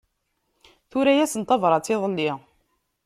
Tura-yasen tabrat iḍelli.